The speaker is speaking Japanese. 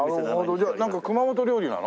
じゃあなんか熊本料理なの？